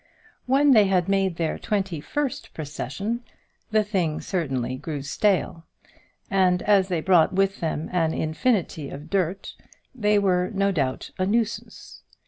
When they had made their twenty first procession the thing certainly grew stale, and as they brought with them an infinity of dirt, they were no doubt a nuisance.